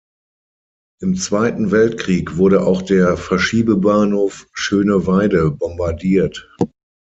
Im Zweiten Weltkrieg wurde auch der Verschiebebahnhof Schöneweide bombardiert.